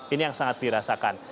ini yang sangat dirasakan